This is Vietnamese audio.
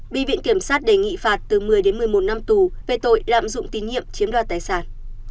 bị viện kiểm sát đề nghị phạt từ một mươi đến một mươi một năm tù về tội lạm dụng tín nhiệm chiếm đoạt tài sản